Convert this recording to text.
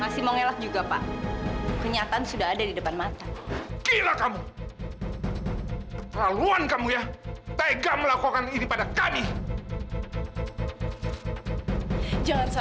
sampai jumpa di video selanjutnya